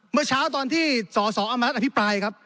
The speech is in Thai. เมื่อเช้าตอนที่สสอมรัฐอภิปราย